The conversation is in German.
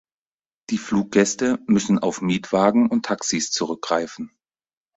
Die Fluggäste müssen auf Mietwagen und Taxis zurückgreifen.